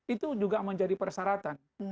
itu juga menjadi persyaratan